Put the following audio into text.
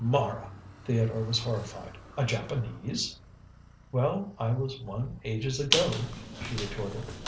"Mara!" Theodore was horrified; "a Japanese?" "Well. I was one ages ago," she retorted.